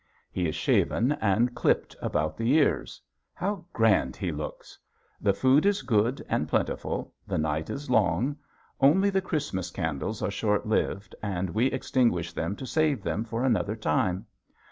He is shaven, and clipped about the ears. How grand he looks! The food is good and plentiful, the night is long, only the Christmas candles are short lived and we extinguish them to save them for another time.